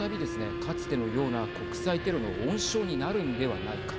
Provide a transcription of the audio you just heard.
かつてのような国際テロの温床になるんではないか。